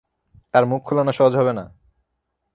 তার মুখ খোলানো সহজ হবে না!